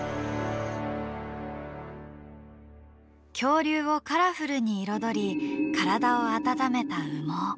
恐竜をカラフルに彩り体を温めた羽毛。